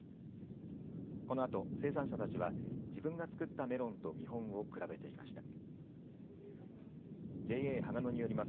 このあと生産者たちは自分が作ったメロンと見本を比べていました。